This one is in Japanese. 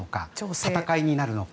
戦いになるのか。